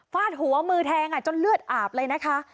ดหัวมือแทงจนเลือดอาบเลยนะคะ